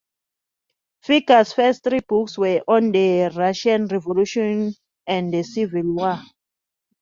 Figes's first three books were on the Russian Revolution and the Civil War.